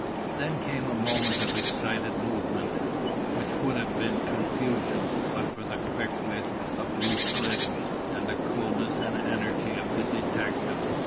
Then came a moment of excited movement, which would have been confusion but for the quick wit of Ruth Glidden, and the coolness and energy of the detective.